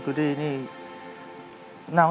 สวัสดีครับ